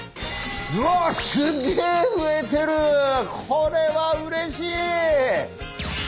これはうれしい。